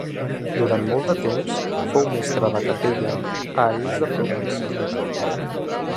Durant molt de temps fou mestre de capella a Ais de Provença.